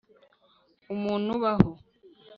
Umuntu ubaho